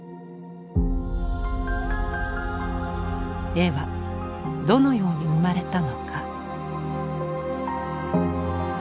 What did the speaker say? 絵はどのように生まれたのか？